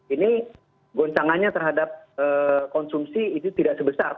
ini goncangannya terhadap konsumsi itu tidak sebesar